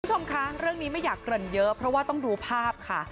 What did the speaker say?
คุณผู้ชมคะเรื่องนี้ไม่อยากเกริ่นเยอะเพราะว่าต้องดูภาพค่ะ